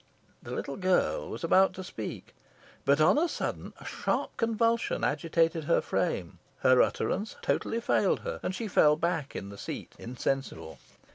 The little girl was about to speak, but on a sudden a sharp convulsion agitated her frame; her utterance totally failed her; and she fell back in the seat insensible.